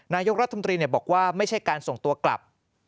นายกรัฐมนตรีบอกว่าไม่ใช่การส่งตัวกลับ